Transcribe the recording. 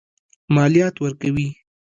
مالیات ورکوي.